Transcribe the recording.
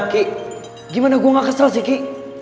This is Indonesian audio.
ki gimana gua ga kesel sih ki